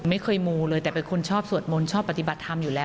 ไม่เคยมูเลยแต่เป็นคนชอบสวดมนต์ชอบปฏิบัติธรรมอยู่แล้ว